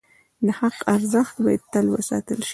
د حق ارزښت باید تل وساتل شي.